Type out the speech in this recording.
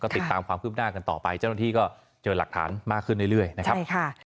ติดตามความคืบหน้ากันต่อไปเจ้าหน้าที่ก็เจอหลักฐานมากขึ้นเรื่อยนะครับใช่ค่ะ